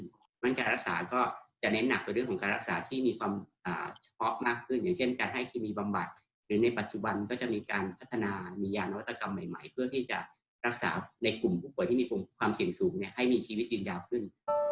เพราะฉะนั้นการรักษาก็จะเน้นหนักไปเรื่องของการรักษาที่มีความเฉพาะมากขึ้นอย่างเช่นการให้เคมีบำบัดหรือในปัจจุบันก็จะมีการพัฒนามียานวัตกรรมใหม่เพื่อที่จะรักษาในกลุ่มผู้ป่วยที่มีความเสี่ยงสูงให้มีชีวิตยืนยาวขึ้น